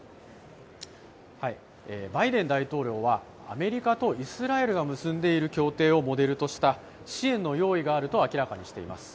バイデン大統領はアメリカとイスラエルが結んでいる協定をモデルとした支援の用意があると明らかにしています。